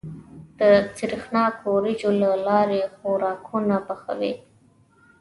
د سرېښناکو وريجو له لارې خوراکونه پخوي.